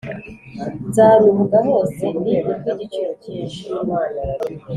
nzaruvuga hose, ni urw’igiciro cyinshi,